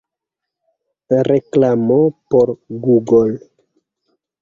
Reklamo por Google.